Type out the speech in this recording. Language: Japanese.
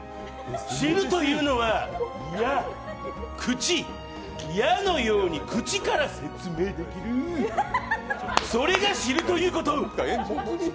知るというのは、矢、口、矢のように口から説明できる、それが知るということ！